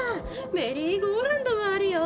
メリーゴーランドもあるよ！